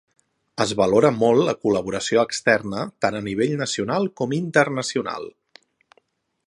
Es valora molt la col·laboració externa tant a nivell nacional com internacional.